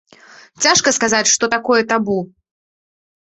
Цяжка сказаць, што такое табу.